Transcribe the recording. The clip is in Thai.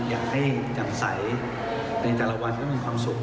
อยากให้จำใสในแต่ละวันก็มีความสุข